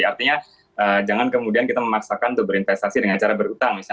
artinya jangan kemudian kita memaksakan untuk berinvestasi dengan cara berutang misalnya